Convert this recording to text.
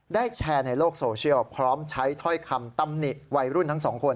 แชร์ในโลกโซเชียลพร้อมใช้ถ้อยคำตำหนิวัยรุ่นทั้งสองคน